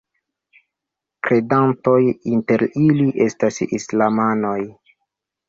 Kredantoj inter ili estas islamanoj.